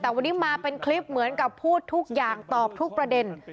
แต่วันนี้มาเป็นคลิปเหมือนกับพูดทุกอย่างตอบทุกประเด็น